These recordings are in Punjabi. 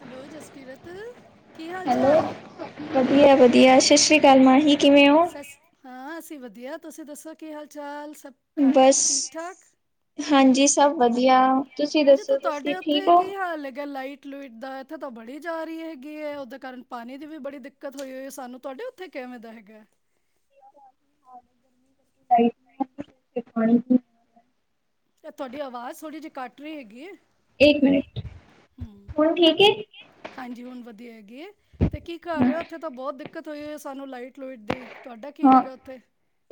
ਹੈਲੋ ਜਸਕੀਰਤ, ਕੀ ਹਾਲ- ਹੈਲੋ ਚਾਲ। ਵਧੀਆ- ਵਧੀਆ ਸਸ਼੍ਰੀ ਅਕਾਲ ਮਾਹੀ, ਕਿਵੇਂ ਓ। ਸਸ ਹਾਂ ਅਸੀਂ ਵਧੀਆ, ਤੁਸੀਂ ਦੱਸੋ ਕੀ ਹਾਲ -ਚਾਲ, ਸਭ ਖੈਰੀਅਤ ਬਸ ਠੀਕ -ਠਾਕ। ਹਾਂਜੀ ਸਭ ਵਧੀਆ ਤੁਸੀਂ ਵਧੀਆ, ਅੱਛਾ ਤੇ ਦੱਸੋ ਤਾਡੇ ਤੁਸੀਂ ਠੀਕ ਉੱਥੇ ਹੋ ਕੀ ਹਾਲ ਹੈਗਾ ਲਾਈਟ। ਲਾਈਟ ਲੂਇਟ ਦਾ ਇੱਥੇ ਤਾਂ ਬੜੀ ਜਾ ਰਹੀ ਹੈਗੀ ਹੈ, ਉਹਦੇ ਕਾਰਨ ਪਾਣੀ ਦੀ ਵੀ ਬੜੀ ਦਿੱਕਤ। ਹੋਈ ਹੁਈ ਹੈ, ਸਾਨੂੰ ਤਾਡੇ ਉੱਥੇ ਕਿਵੇਂ ਦਾ ਹੈਗਾ। ਤਾਂਹੀ ਪਾਣੀ ਪਾਨੀ 'ਚ ਤੇ ਤੁਹਾਡੀ ਆਵਾਜ਼ ਥੋੜ੍ਹੀ ਜਿਹੀ ਕੱਟ ਰਹੀ ਹੈਗੀ ਇੱਕ ਮਿੰਟ, ਹੂੰ ਹੁਣ ਠੀਕ ਹੈ? ਹਾਂਜੀ ਹੁਣ ਵਧੀਆ ਹੈਗੀ ਏ, ਤੇ ਕੀ ਕਰ ਰਹੇ ਹੋ ਇੱਥੇ ਤਾਂ ਬਹੁਤ ਦਿੱਕਤ ਹੋਈ ਹੈ ਸਾਨੂੰ ਲਾਈਟ ਲੁਇਟ ਦੀ। ਤੁਹਾਡਾ ਕੀ ਹਾਂ ਹੈਗਾ ਉੱਥੇ।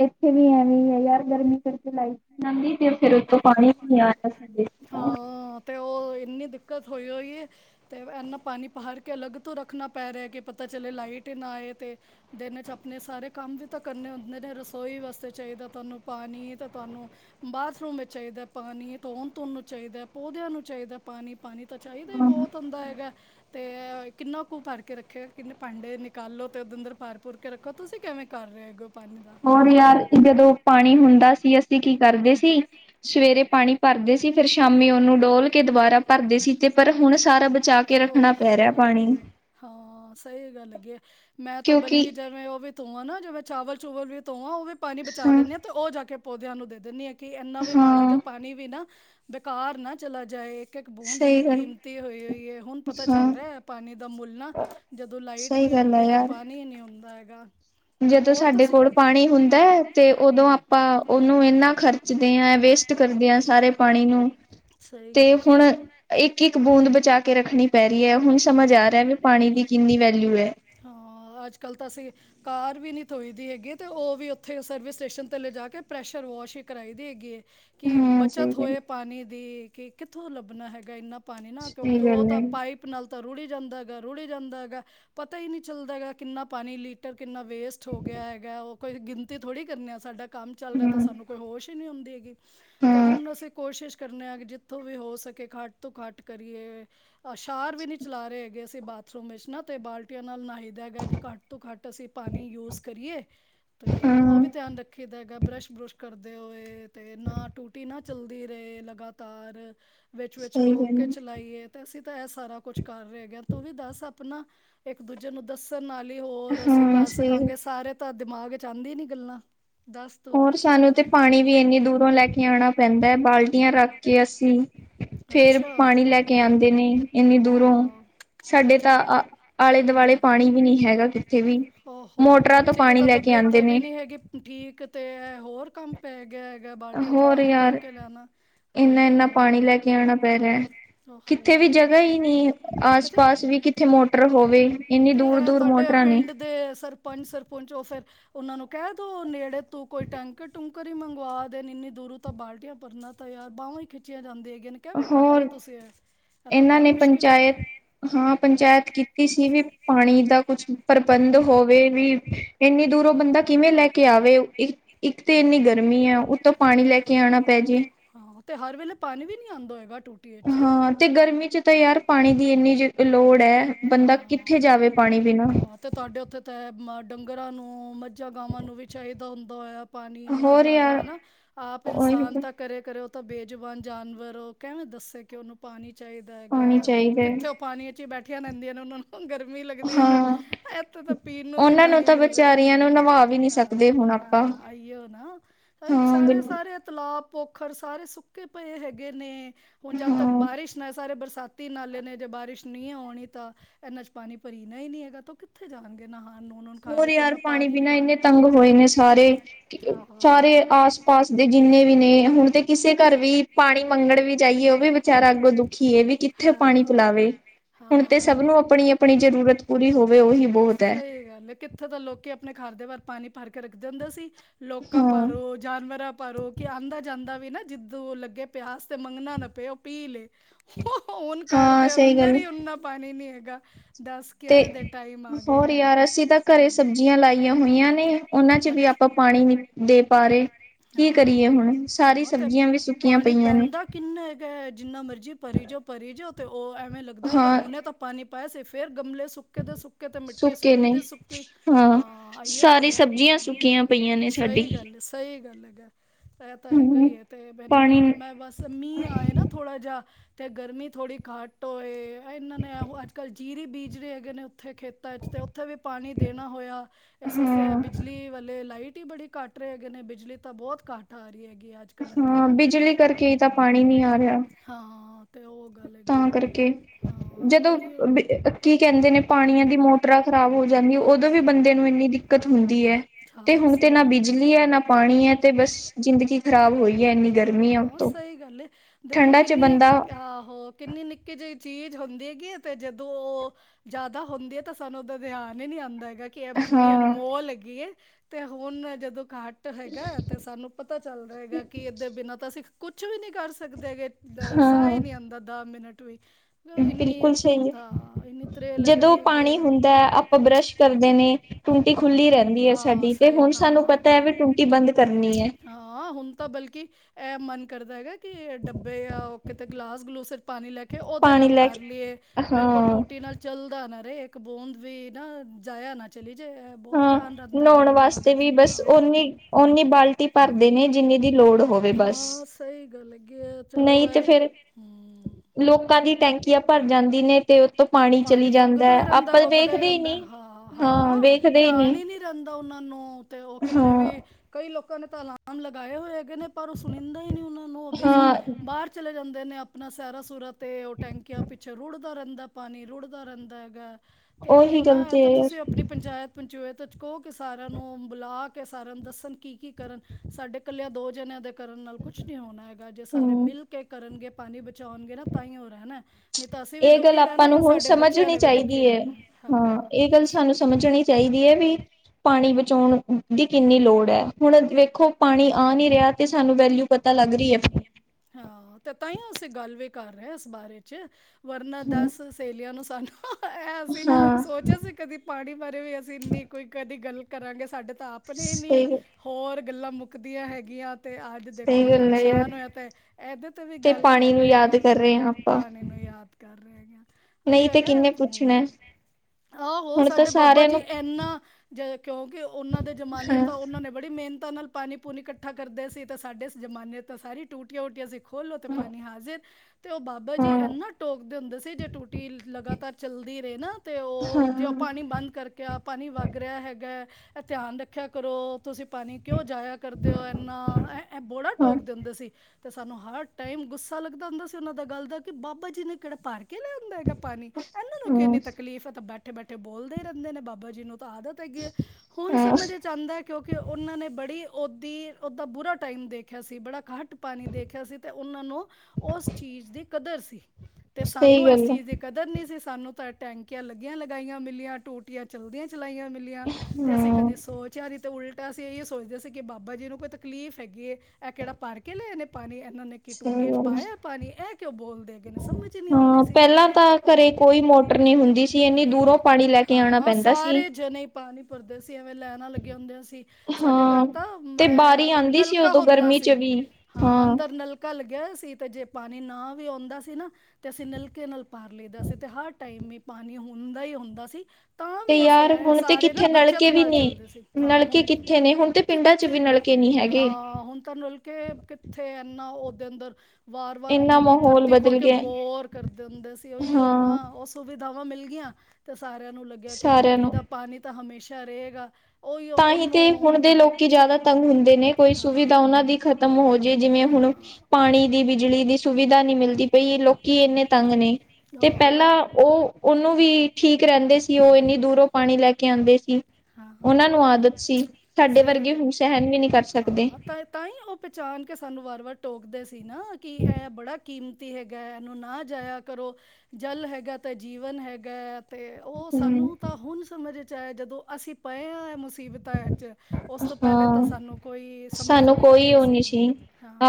ਇੱਥੇ ਵੀ ਐਵੇਂ ਐ, ਯਾਰ ਗਰਮੀ ਕਰਕੇ ਲਾਈਟ। ਨੰਦੀ ਫੇਰ ਉਤੋਂ ਪਾਣੀ ਨੀ ਆਇਆ ਸਵੇਰ ਦਾ। ਹਾਂ ਤੇ ਉਹ ਐਨੀ ਦਿੱਕਤ ਹੋਈ ਹੋਈ ਏ। ਤੇ ਐਨ੍ਹਾਂ ਪਾਣੀ ਭਰ ਕੇ ਅਲੱਗ ਤੋਂ ਰੱਖਣਾ ਪੈ ਰਿਹਾ ਕਿ ਪਤਾ ਚਲੇ ਲਾਈਟ ਨਾ ਆਏ ਤੇ। ਦਿਨ ' ਚ ਆਪਣੇ ਸਾਰੇ ਕੰਮ ਵੀ ਤਾਂ ਕਰਨੇ ਹੁੰਦੇ, ਰਸੋਈ ਵਾਸਤੇ ਚਾਹੀਦਾ ਤੁਹਾਨੂੰ ਪਾਣੀ ਤਾਂ ਤੁਹਾਨੂੰ। ਬਸ। ਵਾਸ਼ਰੂਮ ਵਿੱਚ ਚਾਹੀਦਾ ਪਾਨੀ, ਧੋਣ ਧੋਣ ਨੂੰ ਚਾਹੀਦਾ ਪੌਦਿਆਂ ਨੂੰ ਚਾਹੀਦਾ ਪਾਨੀ, ਪਾਨੀ ਤਾਂ ਚਾਹੀਦਾ ਹੀ ਬਹੁਤ। ਬਹੁਤ ਹੁੰਦਾ ਹੈਗਾ, ਤੇ ਕਿੰਨਾ ਕੁੂਹ ਭਰ ਕੇ ਰੱਖੇ, ਕਿੰਨੇ ਭਾਂਡੇ ਨਿਕਾਲੋ ਤੇ ਉਦਰ ਭਾਰ ਪੁਰ। ਭਰ ਕੇ ਰੱਖੋ, ਤੁਸੀਂ ਕਿਵੇਂ ਕਰ ਰਹੇ ਅੱਗੋਂ ਪਾਣੀ ਦਾ। ਔਰ ਯਾਰ ਜਦੋਂ ਪਾਣੀ ਹੁੰਦਾ ਸੀ, ਅਸੀਂ ਕੀ ਕਰਦੇ ਸੀ। ਸੀ, ਸਵੇਰੇ ਪਾਣੀ ਭਰਦੇ ਸੀ, ਫੇਰ ਸ਼ਾਮੀ ਉਹਨੂੰ ਡੋਲ ਕੇ ਦੁਬਾਰਾ ਭਰਦੇ ਸੀ ਤੇ ਪਰ ਹੁਣ ਸਾਰਾ ਬਚਾ। ਕੇ ਉਹ ਰੱਖਣਾ ਪੈ ਰਿਹਾ ਔਹ, ਪਾਣੀ ਹਾਂ ਸਹੀ ਗੱਲ ਹੈਗੀ ਐ, ਮੈਂ ਤਾਂ ਕਿਉਂਕਿ ਬਲਕਿ ਜਿਵੇਂ ਉਹ ਵੀ। ਧੋਵਾਂ ਨਾ ਜਿਵੇਂ ਚਾਵਲ- ਚੂਵਲ ਵੀ ਧੋਵਾਂ ਉਹ ਵੀ ਪਾਣੀ ਬਚਾ ਹਾਂ ਲੈਂਦੀ, ਤੇ ਉਹ ਜਾ ਕੇ ਪੌਦਿਆਂ ਨੂੰ ਦੇ ਦਿੰਦੀ। ਕਿ ਐਨਾ ਵੀ ਮਾੜਾ ਜਾਂ ਹਾਂ ਪਾਣੀ ਵੀ ਨਾ, ਬੇਕਾਰ ਨਾ ਚਲਾ ਜਾਏ। ਇੱਕ- ਇੱਕ ਬੂੰਦ ਸਹੀ ਇੰਨੀ ਗੱਲ ਕੀਮਤੀ ਹੋਈ ਹੋਈ ਹੈ, ਹੁਣ ਪਤਾ ਚੱਲ ਹਾਂ ਰਿਹਾ ਪਾਣੀ ਦਾ ਮੁੱਲ ਨਾ। ਜਦੋਂ ਲਾਈਟ ਸਹੀ ਨਹੀਂ ਗੱਲ ਆ ਆਂਦੀ, ਤਾਂ ਯਾਰ ਪਾਣੀ ਨਹੀਂ ਹੁੰਦਾ ਹੈਗਾ। ਹਾਂ ਜਦੋਂ ਹੋਰ ਸਾਡੇ ਤੁਸੀਂ ਕੋਲ ਪਾਣੀ ਹੁੰਦਾ ਐ, ਤੇ ਉਦੋਂ ਆਪਾਂ ਉਹਨੂੰ ਇੰਨਾ ਖਰ। ਖੱਚਦੇ ਹਾਂ ਵੇਸਟ ਕਰਦੇ ਸਾਰੇ ਪਾਣੀ ਨੂੰ, ਸਹੀ ਤੇ ਗੱਲ ਏ। ਹੁਣ। ਇੱਕ- ਇੱਕ ਬੂੰਦ ਬਚਾ ਕੇ ਰੱਖਣੀ ਪੈ ਰਹੀ, ਹੁਣ ਸਮਝ ਆ ਰਿਹਾ ਵੀ ਪਾਣੀ ਦੀ ਕਿੰਨੀ ਵੈਲਊ ਐ। ਹਾਂ! ਅੱਜ- ਕੱਲ ਤਾਂ ਅਸੀਂ। ਕਾਰ ਵੀ ਨੀ ਥੋਈ ਦੀ ਹੈਗੀ, ਤੇ ਉਹ ਵੀ ਉੱਥੇ ਸਰਵਿਸ ਸਟੇਸ਼ਨ ਤੇ ਲਿਜਾ ਕੇ ਪ੍ਰੈਸ਼ਰ ਵਾਸ਼। ਕਰਾਈ ਦੀ ਹੈਗੀ ਏ, ਕਿ ਹਾਂ ਸਹੀ ਬੱਚਤ ਗੱਲ ਹੋਏ ਪਾਣੀ ਦੀ ਕਿ ਕਿੱਥੋਂ ਲੱਭਣਾ ਹੈਗਾ ਇਨ੍ਹਾਂ। ਪਾਣੀ ਨਾ, ਸਹੀ ਕਿਉਂਕਿ ਗੱਲ ਉਹ ਹੈ ਤਾਂ ਪਾਈਪ ਨਾਲ ਤਾਂ ਰੁੜੀ ਜਾਂਦਾ ਹੈਗਾ ਰੁੜੀ ਜਾਂਦਾ ਹੈ ਹੈਗਾ। ਪਤਾ ਹੀ ਨਹੀਂ ਚੱਲਦਾ ਹੈਗਾ ਕਿੰਨਾ ਪਾਣੀ ਲੀਟਰ ਕਿੰਨਾ ਵੇਸਟ ਹੋ ਗਿਆ ਹੈਗਾ ਉਹ ਕੋਈ ਗਿਣਤੀ ਥੋੜ੍ਹੀ ਕਰਨੀ ਆ ਸਾਡਾ ਕੰਮ ਚੱਲ ਰਿਹਾ ਤਾਂ ਹਾਂ ਸਾਨੂੰ ਕੋਈ ਹੋਸ਼ ਹੀ ਨਹੀਂ ਹੁੰਦੀ ਹੈਗੀ। ਤੇ ਹਾਂ ਹੁਣ ਅਸੀਂ ਕੋਸ਼ਿਸ਼ ਕਰਨਾ ਹਾਂ ਕਿ ਜਿੱਥੋਂ ਵੀ ਹੋ ਸਕੇ ਖਟ ਤੋਂ ਖਟ ਕਰੀਏ। ਅ ਸ਼ਾਰ ਵੀ ਨਹੀਂ ਚਲਾ ਰਹੇ ਹੈਗੇ ਅਸੀਂ ਬਾਥਰੂਮ ਵਿੱਚ ਨਾ ਤੇ ਬਾਲਟੀਆਂ ਨਾਲ ਨਹਾਈ ਦਾ ਹੈਗਾ ਕਿ ਘੱਟ ਘੱਟ ਤੋਂ ਘੱਟ ਅਸੀਂ ਪਾਣੀ ਯੂਜ ਕਰੀਏ, ਤੇ ਮੋਹ ਹਾਂ ਵੀ ਧਿਆਨ ਰੱਖੀ ਦਾ ਹੈਗਾ ਬਰੱਸ਼ ਬਰੁਸ਼। ਕਰਦੇ ਹੋਏ ਤੇ, ਨਾ ਟੂਟੀ ਨਾ ਚੱਲਦੀ ਰਹੇ, ਲਗਾਤਾਰ ਵਿੱਚ -ਵਿੱਚ ਸਹੀ ਰੋਕ ਗੱਲ ਕੇ ਚਲਾਈਏ। ਤੇ ਅਸੀਂ ਤਾਂ, ਇਹ ਸਾਰਾ ਕੁੱਛ ਕਰ ਰਹੇ ਹੇਗੇ ਹਾਂ, ਤੂੰ ਵੀ ਦੱਸ ਆਪਣਾ, ਇੱਕ ਦੂਜੇ ਜਿਹਨੂੰ ਦੱਸਣ ਨਾਲ ਹੀ ਹੋਰ, ਅਸੀਂ ਹਾਂ ਕਰ ਸਹੀ ਸਕਾਂਗੇ, ਸਾਰੇ ਤਾਂ ਦਿਮਾਗ ਚ ਆਉਂਦੀ ਨੀ ਗੱਲਾਂ ਦਸ ਤੂ ਵੀ ਹੋਰ ਕੀ ਸਾਨੂੰ ਕਰ ਤੇ ਪਾਣੀ ਵੀ ਇੰਨੀ ਦੂਰੋਂ ਲੈ ਕੇ ਆਉਣਾ ਪੈਂਦਾ ਹੈ। ਬਾਲਟੀਆਂ ਰੱਖ ਕੇ ਅਸੀਂ ਫੇਰ ਅੱਛਾ ਪਾਣੀ ਲੈ ਕੇ ਆਉਂਦੇ ਨੇ, ਇੰਨੀ ਦੂਰੋਂ ਲੈ ਸਾਡੇ ਚਾਚ ਤਾਂ, ਆ ਆਲੇ-ਦੁਆਲੇ ਪਾਣੀ ਵੀ ਨਹੀਂ ਹੈਗਾ ਕਿੱਥੇ ਵੀ ਔ ਹੋ ਮੋਟਰਾਂ ਤੋਂ ਚਾਚੇ ਦੀ ਪਾਣੀ ਤਾਂ, ਲੈ ਕੇ ਤਬੀਅਤ ਆਂਦੇ ਵੀ ਨੇ ਨੀ ਹੈਗੀ, ਠੀਕ ਤੇ ਹੋਰ ਕੰਮ ਪੈ ਗਿਆ ਹੈਗਾ, ਬਾਲਟੀਆਂ ਤੋਂ ਹੋਰ ਪਾਣੀ ਭਰ ਯਾਰ ਕੇ ਲੈਣਾ, ਔ ਹੋ ਪਾਣੀ ਲੈ ਕੇ ਆਣਾ ਪੈ ਰੇਹਾ ਕਿੱਥੇ ਵੀ ਜਗ੍ਹਾ ਹੀ ਨਹੀਂ, ਅੱਛਾ ਆਸ-ਪਾਸ ਵੀ ਕਿੱਥੇ ਮੋਟਰ ਹੋਵੇ, ਇੰਨੀ ਤੇ ਇਹ ਦੂਰ-ਦੂਰ ਤੁਹਾਡੇ ਮੋਟਰਾਂ ਨੇ ਪਿੰਡ ਦੇ ਸਰਪੰਚ- ਸਰਪੰਚ ਉਹ ਫਿਰ, ਉਹਨਾਂ ਨੂੰ ਕਹਿ ਦੋ, ਨੇੜੇ ਤੂੰ ਕੋਈ ਟੈਂਕ ਟੁਂਕ ਕਰ ਹੀ ਮੰਗਵਾ ਦੇਣ, ਇੰਨੀ ਦੂਰੋਂ ਤਾਂ ਬਾਲਟੀਆਂ ਭਰਨਾ, ਤਾਂ ਯਾਰ ਬਾਹੋਂ ਹੀ ਖਿੱਚੀਆਂ ਜਾਂਦੀ ਹੈਗੀਆਂ ਨੇ ਕਿਵੇਂ ਕਰ ਰਹੇ ਹੋ ਹੋਰ ਤੁਸੀਂ ਇਹ, ਇਹ ਤਾਂ ਇਹਨਾਂ ਬੜਾ ਨੇ ਮੁਸ਼ਕਿਲ ਹੋ ਗਿਆ। ਪੰਚਾਇਤ ਹਾਂ, ਪੰਚਾਇਤ ਕੀਤੀ ਸੀ, ਵੀ ਪਾਣੀ ਦਾ ਕੁਛ ਪ੍ਰਬੰਧ ਹੋਵੇ ਵੀ ਇੰਨੀ ਦੂਰੋਂ ਬੰਦਾ ਕਿਵੇਂ ਲੈ ਕੇ ਕੇ ਆਵੇ, ਇੱਕ-ਇੱਕ ਤੇ ਇੰਨੀ ਗਰਮੀ ਆ, ਉਤੋਂ ਪਾਣੀ ਲੈ ਕੇ ਆਉਣਾ ਪੈ ਜੇ ਹਾਂ ਤੇ ਹਰ ਵੇਲੇ ਪਾਣੀ ਵੀ ਨੀ ਆਉਂਦਾ ਹੈਗਾ ਟੂ ਹਾਂ, ਤੇ ਗਰਮੀ ਚ ਤਾਂ ਯਾਰ ਪਾਣੀ ਦੀ ਇੰਨੀ ਜ ਲੋੜ ਹੈ ਬੰਦਾ ਕਿੱਥੇ ਜਾਵੇ ਪਾਣੀ ਬਿਨਾ ਹਾਂ ਤੇ ਤੁਹਾਡੇ ਉੱਥੇ ਤਾਂ, ਮ ਡੰਗਰਾਂ ਨੂੰ, ਮੱਝਾਂ ਗਾਵਾਂ ਨੂੰ, ਵੀ ਚਾਹੀਦਾ ਹੁੰਦਾ ਹੈ ਪਾਣੀ ਇੰਨਾ ਹੋਰ ਜ਼ਿਆਦਾ ਹੈ ਯਾਰ ਨਾ, ਆਪ ਉਹੀ ਇਨਸਾਨ ਤੇ ਤਾਂ ਕਰੇ-ਕਰੇ ਤੇ, ਬੇਜੁਬਾਨ ਜਾਨਵਰ, ਉਹ ਕੇਵੇਂ ਦੱਸੇ ਕਿ ਉਹਨੂੰ ਪਾਣੀ ਚਾਹੀਦਾ ਪਾਣੀ ਹੈਗਾ, ਤੇ ਚਾਹੀਦਾ ਹੈ। ਕਿੱਥੇ ਉਹ ਪਾਣੀ ਚੇ ਬੈਠੀਆਂ ਰਹਿੰਦੀਆਂ ਨੇ ਉਹਨਾਂ ਨੂੰ ਗਰਮੀ ਲੱਗਦੀ ਏ ਤਾਂ, ਹਾਂ ਐਥੇ ਤਾਂ ਪੀਣ ਨੂੰ ਨੀ ਉਹਨਾਂ ਪਾਣੀ ਤਾਂ ਮਿਲ ਰਿਹਾ। ਨੂੰ ਵਿਚਾਰੀਆਂ ਨਵਾ ਵੀ ਨਹੀਂ ਨੁ ਨਵਾ ਸਕਦੇ ਹੁਣ ਆਪਾਂ ਹਾਂ, ਆਈਓ ਨਾ ਹਾਂ ਬਿਲਕੁਲ ਸਾਰੇ-ਸਾਰੇ ਤਲਾਬ ਪੁ ਖਰ ਸਾਰੇ ਸੁੱਕੇ ਪਏ ਹੈਗੇ ਨੇ, ਹੁਣ ਜਦ ਤੱਕ ਹਾਂ ਬਾਰਿਸ਼ ਨੇ ਸਾਰੇ ਬਰਸਾਤੀ ਨਾਲੇ ਨੇ, ਜੇ ਬਾਰਿਸ਼ ਨਹੀਂ ਔਂ ਨੀ ਤਾਂ, ਇਹਨਾ ਚ ਪਾਣੀ ਭਰੀਨਾ ਹੀ ਨੀ ਹੈਗਾ, ਤ ਉਹ ਕਿੱਥੇ ਜਾਣਗੇ ਨਹਾ ਹੋਰ ਯਾਰ, ਪਾਣੀ ਬਿਨਾਂ ਇੰਨੇ ਤੰਗ ਹੋਏ ਨੇ ਸਾਰੇ, ਕਿ ਹਾਂ ਸਾਰੇ ਹਾਂ ਆਸ ਪਾਸ ਦੇ ਜਿੰਨੇ ਵੀ ਨੇ, ਹੁਣ ਤੇ ਕਿਸੇ ਘਰ ਵੀ, ਪਾਣੀ ਮੰਗਣ ਵੀ ਜਾਈਏ, ਉਹ ਵੀ ਵਿਚਾਰਾ ਅੱਗੋਂ ਦੁਖੀ ਏ ਇਹ ਵੀ ਕੀ ਥੇ ਪਾਣੀ ਪਿਲਾਵੇ, ਹੁਣ ਤੇ ਸਭ ਨੂੰ ਆਪਣੀ -ਆਪਣੀ ਜ਼ਰੂਰਤ ਪੂਰੀ ਹੋਵੇ ਉਹੀ ਬਹੁਤ ਹੈ। ਇਹ ਗੱਲ ਏ, ਕਿੱਥੇ ਤਾਂ ਲੋਕੀ ਆਪਣੇ ਘਰ ਦੇ ਬਾਹਰ ਪਾਣੀ ਭਰ ਕੇ ਰੱਖਦੇ ਹੁੰਦੇ ਸੀ, ਲੋਕਾਂ ਹਾਂ, ਭਰੋ ਜਾਨਵਰਾਂ ਭਰੋ, ਕਿ ਆਉਂਦਾ ਜਾਂਦਾ ਵੀ ਨਾ ਜਿੱਦੋਂ ਲੱਗੇ ਪਿਆਸ, ਤੇ ਮੰਗਣਾ ਨਾ ਪਏ ਉਹ ਪੀ ਲਏ ਹੁਣ ਘਰ ਹਾਂ ਦੇ ਸਹੀ ਅੰਦਰ ਗੱਲ ਹੀ, ਓਨਾ ਪਾਣੀ ਨੀ ਹੈਗਾ ਦੱਸ ਤੇ, ਕਿਵੇਂ ਦੇ ਟਾਈਮ [inaudible] ਆ ਗਏ ਹੋਰ ਹੈ ਹਮ ਯਾਰ ਅਸੀਂ ਤਾਂ, ਘਰੇ ਸਬਜ਼ੀਆਂ ਲਾਈਆਂ ਹੋਈਆਂ ਨੇ ਉਹਨਾਂ ਚ ਵੀ, ਅੱਛਾ ਆਪਾਂ ਪਾਣੀ ਨਿ ਦੇ ਪਾ ਰਹੇ ਕੀ ਹਾਂ ਕਰੀਏ ਹੁਣ, ਸਾਰੀ ਸਬਜ਼ੀਆਂ ਵੀ ਸੁੱਕੀਆਂ ਪਈਆਂ ਨੇ ਕਿੰਨੇ ਗਏ ਜਿੰਨਾ ਮਰਜੀ ਭਰੀ ਜਾਓ, ਭਰੀ ਜਾਓ, ਤੇ ਉਹ ਐਵੇਂ ਲੱਗਦੈ ਕੇ ਹਾਂ ਹੁਣੇ ਤਾਂ ਪਾਣੀ ਪਾਾਇਆ ਸੀ, ਫੇਰ ਗਮਲੇ ਸੁੱਕ ਸੁੱਕੇ ਦੇ ਸੁੱਕੇ, ਤੇ ਮਿੱਟੀ ਸੁੱਕੇ ਸੁੱਕੀ ਨੇ। ਦੀ ਸੁੱਕੀ, ਹਾਂ ਆਈਏ ਹੋ ਰਿਹਾ। ਸਾਰੀ ਸਬਜ਼ੀਆਂ ਸਬਜੀ ਸੁੱਕੀਆਂ ਪਈਆਂ ਨੇ ਸਾਡੀ। ਸਹੀ ਗੱਲ ਏ, ਸਹੀ ਗੱਲ ਹੈਗਾ, ਇਹ ਤਾਂ ਹੈਗਾ ਹੂੰ। ਹੀ ਹੈ ਤੇ ਵੈਨੀ ਹਾਂ ਪਾਣੀ ਹੁਣ ਮੈਂ ਬਸ ਤੇ ਮੀਂਹ ਆਏ ਨਾ ਥੋੜਾ ਜਿਹਾ, ਤੇ ਗਰਮੀ ਥੋੜੀ ਘਟ ਹੋਏ, ਇਹਨਾਂ ਨੇ ਐਹੋ ਅੱਜ ਕੱਲ੍ਹ ਜੀਰੀ ਬੀਜ ਰੇ ਹੈਗੇ ਨ ਉੱਥੇ ਖੇਤਾਂ ਚ ਤੇ ਉੱਥੇ ਵੀ ਪਾਨੀ ਦੇਣਾ ਹੋਯਾ ਇਸ ਵਾਸਤੇ ਐ ਹਾਂ, ਬਿਜਲੀ ਵਾਲੇ ਲਾਈਟ ਈ ਬੜੀ ਕਟ ਰੇ ਹੈਗੇ ਨੇ, ਬਿਜਲੀ ਤਾਂ ਬੋਹਤ ਘੱਟ ਆ ਰਈ ਹੈਗੀ ਆ ਹਾਂ, ਬਿਜਲੀ ਕਰਕੇ ਈ ਤਾਂ ਪਾਨੀ ਨੀ ਆ ਰੇਆ ਹਾਂ ਤੇ ਓ ਗੱਲ ਹੈਗੀ ਏ। ਜਦੋਂ ਕੀ ਕੈਂਦੇ ਨੇ, ਪਾਣੀਆਂ ਦੀ ਮੋਟਰਾਂ ਖਰਾਬ ਹੋ ਜਾਂਦੀਆਂ ਓਦੋਂ ਵੀ ਬੰਦੇ ਨੂੰ ਏਨੀ ਦੀ ਦਿੱਕਤ ਹੁੰਦੀ ਐ ਤੇ ਹਾਂ ਹੁਣ ਤੇ ਸਹੀ ਨਾ ਬਿਜਲੀ ਐ ਨਾ ਪਾਨੀ ਐ ਤੇ ਬਸ ਜ਼ਿੰਦਗੀ ਖ਼ਰਾਬ ਹੋਈ ਐ ਇੰਨੀ ਗਰਮੀ ਐ ਹਾਂ ਉਤੋਂ ਸਹੀ ਗੱਲ ਹੈ ਦੇਖੋ ਠੰਡਾ ਚ ਕਿੰਨੀ ਬੰਦਾ ਆਹੋ ਕਿੰਨੀ ਨਿੱਕੀ ਜਈ ਚੀਜ਼ ਹੁੰਦੀ ਐ ਕੇ ਜਦੋਂ ਓ ਤੇ ਜਾਦਾ ਹੁੰਦੀ ਏ ਤਾਂ ਸਾਨੂੰ ਓਦਾ ਧਿਆਨ ਈ ਨੀ ਆਂਦਾ ਹੈਗਾ। ਕਿ ਕਿੰਨੀ ਹਾਂ, ਅਨਮੋਲ ਹੈਗੀ ਏ ਤੇ ਹੁਣ ਜਦੋਂ ਕਾਟ ਹੈਗਾ ਤੇ ਸਾਨੂੰ ਪਤਾ ਚੱਲਦਾ ਹੈਗਾ ਕਿ ਇਹਦੇ ਬਿਨਾਂ ਤਾਂ ਅਸੀਂ ਕੁੱਛ ਵੀ ਨੀ ਕਰ ਸਕ ਸਕਦੇ ਹੈਗੇ ਸਾਹ ਹੀ ਹਾਂ ਨਈ ਆਂਦਾ ਦਾ ਮਿਨਟ ਵੀ ਵੀ ਉਹ ਇੰਨੀ ਬਿਲਕੁਲ ਸਈ ਹਾਂ ਇੰਨੀ ਤ੍ਰੇਹ ਜਦੋਂ ਲੱਗਦੀ ਹੈਗੀ ਹੈ। ਪਾਨੀ ਹੁੰਦਾ ਆਪਾਂ ਬਰੱਸ਼ ਕਰਦੇ ਨੇ ਟੁੰਟੀ ਹੂੰ ਖੁੱਲੀ ਰੈੰਦੀ ਏ ਹਾਂ ਸਾਡੀ ਤੇ ਸਹੀ ਹੁਣ ਸਾਨੂੰ ਹਾਂ। ਪਤਾ ਵੀ ਟੁੰਟੀ ਬੰਦ ਕਰਨੀ ਏ ਹਾਂ ਹੁਣ ਤਾਂ ਬਲਕਿ ਐ ਮਨ ਕਰਦਾ ਹੈਗਾ ਕਿ ਡੱਬੇ ਯਾਂ ਕਿਤੇ ਗਲਾਸ-ਗਲੂਸ ਪਾਨੀ ਲੈ ਕੇ ਓਦੇ ਪਾਣੀ ਨਾਲ ਲੈ ਕਰ ਕੇ ਲਈਏ ਬਿਲਕੁਲ ਹਾਂ ਟੂਟੀ ਨਾਲ ਚੱਲਦਾ ਨਾ ਰੇ ਇੱਕ ਬੂਂਦ ਵੀ ਨਾ ਜਾਯਾ ਨਾ ਚਲੀ ਜੇ। ਬੋਤ ਹਾਂ ਧਿਆਨ ਰੈਂਦਾ ਹੈਗਾ ਨਹਾਉਣ ਦਿਮਾਗ ਵਾਸਤੇ ਚ ਵੀ ਹਾਂ ਬਸ ਓਨੀ ਓਨੀ ਬਾਲਟੀ ਪਰਦੇ ਨੇ ਜਿੰਨੀ ਦੀ ਲੋੜ ਹੋਵੇ ਬਸ, ਹਾਂ ਸਹੀ ਗੱਲ ਹੈਗੀ ਹੈ ਚਲੋ ਨਈ ਤੇ ਇਹ ਫੇਰ ਹੂੰ ਲੋਕਾਂ ਦੀ ਟੈਂਕੀਆਂ ਪਰ ਜਾਂਦੀ ਨੇ ਤੇ ਉੱਤੋਂ ਪਾਨੀ ਪਾਣੀ ਚਲੀ ਜਾਂਦਾ ਵਗਦਾ ਹੈ ਹੀ ਰਹਿੰਦਾ ਆਪਾਂ ਤਾਂ ਵਗਦਾ ਹੀ ਵੇਖਦੇ ਈ ਰਹਿੰਦਾ ਨਈ ਹਾਂ ਵੇਖ ਧਿਆਨ ਈ ਨੀ ਰੈਂਦਾ ਓਨਾਂ ਨੂੰ ਤੇ ਓ ਕਿੰਨੇ ਹਾਂ ਵੀ ਕਈ ਲੋਕਾਂ ਨੇ ਤਾਂ ਅਲਾਰਮ ਲਗਾਯਾ ਹੋਯਾ। ਨੇ ਪਰ ਓ ਸੁਣਦਾ ਈ ਨੀ ਓਨਾਂ ਨੂੰ ਓ ਬਿਜ਼ੀ ਹਾਂ ਬਾਰ ਚਲੇ ਜਾਂਦੇ ਨੇ ਆਪਣਾ ਸੈਰਾ-ਸੂਰਾ ਤੇ ਓ ਟੈਂਕੀਆਂ ਪਿੱਛੇ ਰੁੜਦਾ ਰੈਂਦਾ ਪਾਨੀ ਰੁੜਦਾ ਰੈਦਾ ਹੈਗਾ ਤੇ ਐ ਉਹੀ ਇਓ ਗੱਲ ਨਾ ਐ ਤੇ ਯਾਰ। ਤੁਸੀਂ ਅਪਣੀ ਪੰਚਾੲਤ-ਪੰਚੁਏਤ ਚ ਕੋ ਕੀ ਸਾਰਿਆਂ ਨੂੰ ਬੁਲਾ ਕੇ ਸਾਰੇਆਂ ਨੂੰ ਦੱਸਣ ਕੀ-ਕੀ ਕਰਨ ਸਾਡੇ ਕੱਲਿਆਂ ਦੋ ਜਣਿਆਂ ਦੇ ਕਰਨ ਨਾਲ ਕੁਛ ਨੀ ਹੋਣਾ ਹੈਗਾ ਜੇ ਸਾਰੇ ਹਮ ਮਿਲ ਕੇ ਕਰਨਗੇ ਪਾਨੀ ਬਚਾਓਗੇਂ ਨਾ ਤਾਂਈ ਓ ਰੈਣਾ। ਏ ਗੱਲ ਆਪਾਂ ਨੂੰ ਹੁਣ ਸਮਝਣੀ ਨੇ ਵੀ ਚਾਇਦੀ ਦੁਖੀ ਏ ਰਹਿਣਾ ਹਾਂ ਏ ਗੱਲ ਸਾਨੂੰ ਸਮਝਣੀ ਚਾਇਦੀ ਏ ਵੀ ਪਾਨੀ ਬਚਾਓਣ ਦੀ ਕਿੰਨੀ ਲੋੜ ਐ ਹੁਣ ਵੇਖੋ ਪਾਣੀ ਆ ਨੀ ਰੇਆ ਤੇ ਸਾਨੂੰ ਵੈਲਯੂ ਪਤਾ ਲੱਗ ਰੀ ਐ। ਹਾਂ ਤੇ ਤਾਂਇਓ ਅਸੀਂ ਗੱਲ ਵੀ ਕਰ ਰੇ ਆ ਇਸ ਬਾਰੇ ਚ ਵਰਨਾ ਦੱਸ ਸਹੇਲੀਆਂ ਨੂੰ ਸਾਨੂੰ ਐ ਅਸੀਂ ਹਨਾ ਸੋਚਿਆ ਸੀ ਕਦੀ ਪਾਣੀ ਬਾਰੇ ਵੀ ਅਸੀਂ ਇੰਨੀ ਕੋਈ ਕਦੀ ਗੱਲ ਕਰਾਂਗੇ ਸਾਡੇ ਤਾਂ ਆਪਣੇ ਨੀ ਸਹੀ ਹੋਰ ਗੱਲਾਂ ਮੁੱਕਦੀਆਂ ਹੈਗੀਆਂ। ਅਤੇ ਅੱਜ ਦੇਖੋ ਸਹੀ ਹੁਣ ਗੱਲ ਹੈ ਯਾਰ ਪਰੇਸ਼ਾਨ ਹੋਏ ਆ ਤੇ ਐਦੇ ਤੇ ਵੀ ਗੱਲ ਪਾਣੀ ਕਰ ਨੂੰ ਰੇ ਹੈਗੇ ਯਾਦ ਆਂ ਕਰ ਰਹੇ ਹਾਂ ਆਪਾਂ ਪਾਣੀ ਨੂੰ ਯਾਦ ਕਰ ਰੇ-ਪਾਨੀ ਨੂੰ ਯਾਦ ਕਰ ਰਏ ਹੈਗੇ ਆਂ। ਐਈ ਨਹੀਂ ਓ ਤੇ ਹੈਗਾ। ਕਿੰਨੇ ਪੁੱਛਣਾ ਆ ਹੋ ਹੁਣ ਤਾਂ ਸਾਡੇ ਬਾਬਾ ਸਾਰਿਆਂ ਜੀ ਨੂੰ ਐਨਾ ਜ ਕਿਉਂਕਿ ਓਨਾਂ ਦੇ ਜ਼ਮਾਨੇ ਚ ਹਾਂ ਤਾਂ ਓਨਾਂ ਨੇ ਬੜੀ ਮੇਨਤਾਂ ਨਾਲ ਪਾਨੀ-ਪੂਨੀ ਕੱਠਾ ਕਰਦੇ ਸੀ ਤਾਂ ਸਾਡੇ ਜ਼ਮਾਨੇ ਤਾਂ ਸਾਰੀ ਟੂਟੀਆਂ-ਵੂਟੀਆਂ ਸੀ। ਖੋਲੋ ਤੇ ਹਾਂ ਪਾਨੀ ਆਜੇ ਤੇ ਓ ਬਾਬਾ ਜੀ ਹਾਂ ਐਨਾ ਟੋਕਦੇ ਹੁੰਦੇ ਸੀ ਜੇ ਟੂਟੀ ਲਗਾਤਾਰ- ਚੱਲਦੀ ਰੇ ਨਾ ਤੇ ਓ ਜੇ ਓ ਪਾਨੀ ਹਾਂ ਬੰਦ ਕਰਕੇ ਆ ਪਾਨੀ ਵੱਗ ਰਿਹਾ ਹੈਗਾ। ਐ ਧਿਆਨ ਰੱਖਿਆ ਕਰੋ ਤੁਸੀਂ ਪਾਣੀ ਕਿਉਂ ਜਾਇਆ ਕਰਦੇ ਓ ਏਨਾਂ ਐ। ਐ ਬੋੜਾ ਟੋਕਦੇ ਹੁੰਦੇ ਸੀ। ਤੇ ਸਾਨੂੰ ਹਰ ਟਾਈਮ ਗੁੱਸਾ ਲੱਗਦਾ ਹੁੰਦਾ ਸੀ ਓਨਾਂ ਦਾ ਗੱਲ ਦਾ ਕਿ ਬਾਬਾ ਜੀ ਨੇ ਕੇੜਾ ਭਰ ਕੇ ਲਿਆਂਦਾ ਹੈਗਾ ਪਾਨੀ ਏਨਾਂ ਨੂੰ ਕਿਉਂ ਹਾਂ ਏਨੀਂ ਤਕਲੀਫ਼ ਐ, ਤਾਂ ਬੈਠੇ-ਬੈਠੇ ਬੋਲਦੇ ਈ ਰੈਂਦੇ ਨੇ ਬਾਬਾ ਜੀ ਨੂੰ ਤਾਂ ਆਦਤ ਹੈਗੀ ਹੁਨ ਹਾਂ ਸਮਝ 'ਚ ਆਂਦਾ ਐ ਕਿਉਂਕਿ ਓਨਾਂ ਨੇ ਬੜੀ ਓਦੀ ਓਦਾ ਬੁਰਾ ਟਾਈਮ ਦੇਖਿਆ ਸੀ ਬੜਾ ਘੱਟ ਪਾਨੀ ਦੇਖਿਆ ਸੀ ਤੇ ਓਨਾਂ ਨੂੰ ਓਸ ਚੀਜ਼ ਦੀ ਕਦਰ ਸੀ ਤੇ ਸਹੀ ਸਾਨੂੰ ਏਸ ਗੱਲ ਹੈ ਚੀਜ਼ ਦੀ ਕਦਰ ਨੀ ਸੀ ਸਾਨੂੰ ਤਾਂ ਟੈਂਕੀਆਂ ਲੱਗੀਆਂ ਲਗਾਈਆਂ ਮਿਲੀਆਂ, ਟੋਟੀਆਂ ਚੱਲਦੀਆਂ ਚਲਾਈਆਂ ਮਿਲੀਆਂ। [unintelligible] ਤੇ ਅਸੀਂ ਹਾਂ ਕਦੇ ਸੋਚੇਆ ਨੀ ਤੇ ਉਲਟਾ ਅਸੀਂ ਅਇਓ ਸੋਚਦੇ ਸੀ ਕਿ ਬਾਬਾ ਜੀ ਨੂੰ ਕੋਈ ਤਕਲੀਫ਼ ਹੈਗੀ ਏ, ਐ ਕੇੜਾ ਭਰਕੇ ਕੇਲੇ ਏਨੇ ਪਾਨੀ ਏਨਾਂ ਨੇ ਕਿ ਸਹੀ ਟੂਟੀਆਂ 'ਚ ਗੱਲ ਹੈ। ਪਾਇਆ ਪਾਨੀ ਐ ਕਿਉਂ ਬੋਲਦੇ ਹੈਗੇ ਨੇ, ਸਮਝ ਨੀ ਆਉਂਦੀ ਸੀ। ਪੈਲਾਂ ਤਾਂ ਘਰੇ ਕੋਈ ਮੋਟਰ ਨੀ ਹੁੰਦੀ ਸੀ, ਏਨੀ ਦੂਰੋਂ ਪਾਣੀ ਲੈ ਕੇ ਆਣਾ ਪੈਂਦਾ ਸੀ। ਪਾਨੀ ਭਰਦੇ ਸੀ ਤੇ ਐਵੇਂ ਲੈਨਾਂ ਲੱਗੀਆਂ ਹਹੁੰਦੀਆਂ ਸੀ, ਸਾਡੇ ਘਰ ਹਾਂ ਤਾਂ ਤੇ ਬਾਰੀ ਅ ਆਉਂਦੀ ਸੀ ਨਲਕਾ ਉਦੋਂ ਹੋਂਦਾ ਗਰਮੀ ਚ ਸੀ। ਵੀ ਹਾਂ ਅੰਦਰ ਨਲਕਾ ਲੱਗਿਆ ਹੋਏਆ ਸੀ ਤੇ ਜੇ ਪਾਨੀ ਨਾ ਵੀ ਆਉਂਦਾ ਸੀ ਨਾ ਤੇ ਅਸੀਂ ਨਲਕੇ ਨਾਲ ਭਰ ਲਈਦਾ ਸੀ ਤੇ ਹਰ ਟਾਈਮ ਵੀ ਪਾਨੀ ਹੁੰਦਾ ਈ ਹੋਂਦਾ ਸੀ। ਤਾਂ ਤੇ ਵੀ ਅਸੀਂ ਯਾਰ ਹੁਣ ਤੇ ਸਾਰੇ ਨਾ ਕਿੱਥੇ ਨਲਕੇ ਬੱਚਤ ਵੀ ਨਾਲ ਨੇ ਚੱਲਦੇ ਸੀ, ਹਾਂ ਨਲਕੇ ਹੁਨ ਕਿੱਥੇ ਨੇ ਹੁਣ ਤੇ ਪਿੰਡਾਂ ਚ ਕਿੱਥੇ, ਵੀ ਨਲਕੇ ਨਹੀਂ ਹੈਗੇ। ਹਾਂ ਹੁਨ ਤਾਂ ਨਲਕੇ ਕਿੱਥੇ ਏਨਾ ਓਦੇ ਅੰਦਰ ਵਾਰ ਵਾਰ ਇੰਨਾ ਇੰਨੀ ਮਾਹੌਲ ਧਰਤੀ ਖੋਲ ਬਦਲ ਕੇ ਗਿਆ ਬੋਰ ਕਰਦੇ ਹੁੰਦੇ ਸੀ, ਓਇਓ ਹਾਂ ਨਾ ਓ ਸੁਵਿਧਾਵਾਂ ਮਿਲ ਗਿਆਂ ਤੇ ਸਾਰੇਆਂ ਨੂੰ ਲੱਗਿਆ ਕਿ ਸਾਰਿਆਂ ਧਰਤੀ ਨੂੰ ਦਾ ਪਾਨੀ ਤਾਂ ਹਮੇਸ਼ਾ ਰਏਗਾ। ਤਾਂ ਹੀ ਤੇ ਹੁਣ ਦੇ ਲੋਕੀ ਜਾਦਾ ਤੰਗ ਹੁੰਦੇ ਨੇ, ਕੋਈ ਹਾਂ ਸੁਵਿਧਾ ਓਨਾਂ ਦੀ ਖ਼ਤਮ ਹੋ ਜੇ ਜਿਵੇਂ ਹੁਣ ਹਾਂ ਪਾਣੀ ਦੀ, ਬਿਜਲੀ ਦੀ ਸੁਵਿਧਾ ਨੀ ਮਿਲਦੀ ਪਈ, ਲੋਕੀ ਏਨੇ ਤੰਗ ਨੇ। ਆਹੋ, ਐ ਓ, ਓਨੂੰ ਵੀ ਠੀਕ ਰੈਂਦੇ ਸੀ ਓ ਏਨੀ ਦੂਰੋਂ ਪਾਣੀ ਲੈ ਕੇ ਆਂਦੇ ਸੀ। ਹਾਂ ਹਾਂ ਓਨਾਂ ਨੂੰ ਆਦਤ ਸੀ, ਉਹੀ ਸਾਡੇ ਸਹੀ ਵਰਗੇ ਗੱਲ ਹੁਣ ਸੈਹਨ ਵੀ ਨੀ ਕਰ ਸਕਦੇ। ਹਾਂ ਤਾਂ ਤਾਂ ਹੀ ਓ ਪੈਚਾਨ ਕੇ ਸਾਨੂੰ ਵਾਰ-ਵਾਰ ਟੋਕਦੇ ਸੀ ਨਾ ਕਿ ਐ ਬੜਾ ਕੀਮਤ ਤੀ ਹੈਗਾ ਏਨੂੰ ਨਾ ਜਾਇਆ ਕਰੋ, ਜਲ ਹੈਗਾ ਤਾਂ ਜੀਵਨ ਹੈਗਾ। ਤੇ ਓ ਹਮ ਸਾਨੂੰ ਤਾਂ ਹੁਨ ਸਮਝ 'ਚ ਆਇਆ ਐ ਜਦੋਂ ਅਸੀਂ ਪਏ ਆਂ ਐ ਮੁਸੀਬਤਾਂ 'ਚ। ਹਾਂ, ਸਾਨੂੰ ਥੋੜ੍ਹੀ ਕੋਈ ਆਉਂਦੀ ਓ ਨੀ ਸੀ,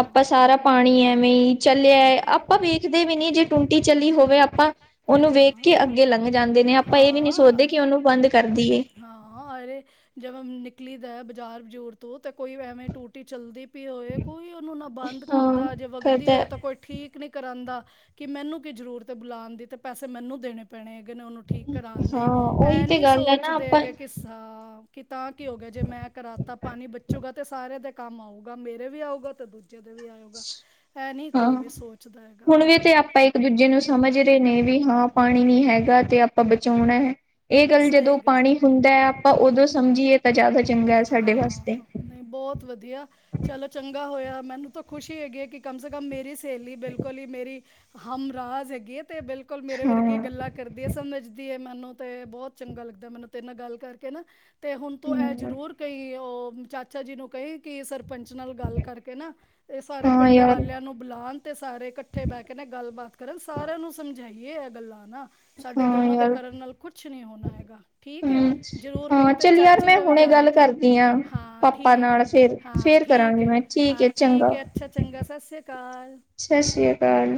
ਆਪਾਂ ਸਾਰਾ ਪਾਣੀ ਐਵੇਂ ਈ ਚਲੇਆ ਏ, ਆਪਾਂ ਵੇਖਦੇ ਵੀ ਨੀ ਜੇ ਟੁੱਟੀ ਚੱਲੀ ਹੋਵੇ ਆਪਾਂ ਓਨੂੰ ਵੇਖ ਕੇ ਅੱਗੇ ਲੰਘ ਜਾਂਦੇ ਨੇ, ਆਪਾਂ ਏ ਵੀ ਨੀ ਸੋਚਦੇ ਕਿ ਓਨੂੰ ਬੰਦ ਕਰ ਦੀਏ। ਹਾਂ ਅਰੇ ਜਵੇ ਨਿਕਲੀ ਦਾ ਬਾਜ਼ਾਰ ਬਜ਼ੂਰ ਤੋਂ ਤਾਂ ਕੋਈ ਐਵੇਂ ਟੂ ਟੀ ਚੱਲਦੀ ਪਈ ਹੋਏ ਕੋਈ ਓਨੂੰ ਨਾ ਬੰਦ ਹਾਂ ਕਰਦਾ, ਜੇ ਵੱਗਦੀ ਕਰਦਾ ਹੋਏ ਤਾਂ ਕੋਈ ਠੀਕ ਨੀ ਕਰਾਂਦਾ ਕਿ ਮੈਨੂੰ ਕੀ ਜ਼ਰੂਰਤ ਏ ਬੁਲਾਨ ਦੀ ਤੇ ਪੈਸੇ ਮੈਨੂੰ ਦੇਨੇ ਪੈਣੇ ਹੈਗੇ ਨੇ ਓਨੂੰ ਠੀਕ ਕਰਾਨ ਹਾਂ ਦੇ, ਉਹੀ ਐਂ ਤੇ ਨੀ ਗੱਲ ਹੈ ਨਾ ਸੋਚਦੇ ਆਪਾਂ ਹੈਗੇ, ਕਿ ਹਾਂ ਕਿ ਤਾਂ ਕੀ ਹੋ ਗਯਾ ਜੇ ਮੈਂ ਕਰਾਤਾ, ਪਾਨੀ ਬਚੂਗਾ ਤੇ ਸਾਰੇਆਂ ਦੇ ਕੰਮ ਆਊਗਾ ਮੇਰੇ ਵੀ ਆਊਗਾ ਤੇ ਦੂਜੇ ਜੇ ਦੇ ਵੀ ਆਊਗਾ ਐ ਨਈ ਹਾਂ ਕੋਈ ਵੀ ਸੋਚਦਾ ਹੈਗਾ। ਹੁਣ ਵੀ ਤੇ ਆਪਾਂ ਇੱਕ ਦੂਜੇ ਨੂੰ ਸਮਝ ਰਹੇ ਨੇ ਵੀ ਹਾਂ ਪਾਣੀ ਨੀ ਹੈਗਾ ਤੇ ਆਪਾਂ ਬਚਾਉਣਾ ਐ। ਏ ਗੱਲ ਜਦੋਂ ਸਹੀ ਗੱਲ। ਪਾਣੀ ਹੁੰਦਾ ਹੈ ਆਪਾਂ ਉਦੋਂ ਸਮਝੀਏ ਤਾਂ ਜਾਦਾ ਚੰਗਾ ਐ ਸਾਡੇ ਵਾਸਤੇ। ਵਦੀਆ। ਚਲੋ ਚੰਗਾ ਹੋਏਆ ਮੈਨੂੰ ਤਾਂ ਖੁਸ਼ੀ ਹੈਗੀ ਐ ਕਿ ਕਮ ਸੇ ਕਮ ਮੇਰੀ ਸੇਲੀ ਬਿਲਕੁਲ ਈ ਮੇਰੀ ਹਮਰਾਜ ਹੈਗੀ ਏ ਤੇ ਬਿਲਕੁਲ ਮੇਰੇ ਵਰਗੀ ਹਾਂ ਗੱਲਾਂ ਕਰਦੀ ਏ, ਸਮਝਦੀ ਏ ਮੈਨੂੰ ਤੇ ਬੋਤ ਚੰਗਾ ਲੱਗਦਾ ਮੈਨੂੰ ਤੇਰੇ ਨਾਲ ਗੱਲ ਕਰਕੇ ਨਾ ਤੇ ਹੁਨ ਤੂੰ ਐ ਜ਼ਰੂਰ ਕਈ ਓ ਚਾ ਚਾਚਾ ਜੀ ਨੂੰ ਕਏ ਕਿ ਸਰ ਪੰੰਚ ਨਾਲ ਗੱਲ ਕਰਕੇ ਨਾਂ ਏਹ ਸਾਰੇ ਹਾਂ ਪਿੰਡ ਯਾਰ ਵਾਲਿਆਂ ਨੂੰ ਬੁਲਾਣ ਤੇ ਸਾਰੇ ਕੱ ਕੱਠੇ ਬਹਿ ਕੇ ਨਾਂ ਗੱਲਬਾਤ ਕਰਨ। ਸਾਰਿਆਂ ਨੂੰ ਸਮਝਾਈਏ ਏ ਗੱਲਾਂ ਨਾ। ਸਾਡੇ ਹਾਂ ਦੋਨਾਂ ਦੇ ਯਾਰ ਕਰਨ ਨਾਲ ਕੁਛ ਨੀਂ ਹੋਣਾ। ਠੀਕ ਐ, ਹੂੰ, ਜਰੂਰ ਕ ਈਂ ਹਾਂ ਤੇ ਚੱਲ ਯਾਰ ਚਾਚੀ ਮੈਂ ਦਾ ਵੀ ਹੁਣੇ ਧਿਆਨ ਗੱਲ ਰਖੇ। ਕਰਦੀ ਆਂ। ਹਾਂ, ਪਾਪਾ ਠੀਕ ਨਾਲ ਐ। ਫੇਰ, ਹਾਂ ਫੇਰ ਠੀਕ ਕਰਾਂਗੀ ਐ, ਮੈਂ ਹਾਂ ਏ ਠੀਕ ਚੰਗਾ। ਐ। ਅੱਛਾ, ਚੰਗਾ ਸਤਿ ਸ਼੍ਰੀ ਅਕਾਲ। ਸਤਿ ਸ਼੍ਰੀ ਅਕਾਲ।